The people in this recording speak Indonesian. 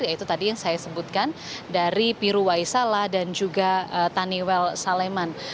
yaitu tadi yang saya sebutkan dari piru waisala dan juga taniwel saleman